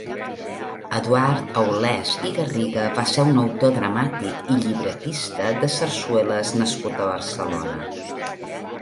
Eduard Aulés i Garriga va ser un autor dramàtic i llibretista de sarsueles nascut a Barcelona.